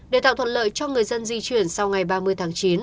để tạo thuận lợi cho người dân di chuyển sau ngày ba mươi tháng chín